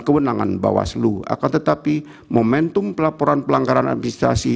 kewenangan bawaslu akan tetapi momentum pelaporan pelanggaran administrasi